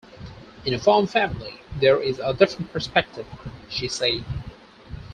"In a farm family, there's a different perspective," she said.